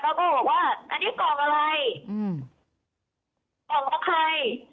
แล้วก็บอกว่าอันนี้กล่องอะไรอืมกล่องของใคร